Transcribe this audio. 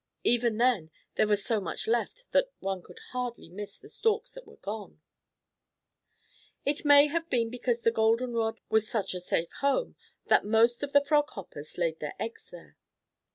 Even then there was so much left that one could hardly miss the stalks that were gone. It may have been because the golden rod was such a safe home that most of the Frog Hoppers laid their eggs there.